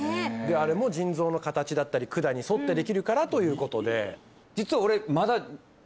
あれも腎臓の形だったり管に沿ってできるからということでえっ！？